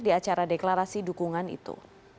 di acara deklarasi dukungan itu